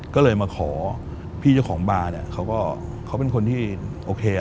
ก็เลยมาขอพี่เจ้าของบ้านเขาเป็นคนที่โอเค